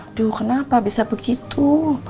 aduh kenapa bisa begitu